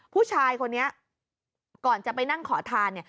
ผู้ชายคนนี้ก่อนจะไปนั่งขอทานเนี่ย